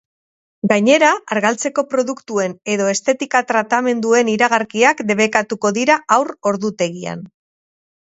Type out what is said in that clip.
Gainera, argaltzeko produktuen edo estetika tratamenduen iragarkiak debekatuko dira haur-ordutegian.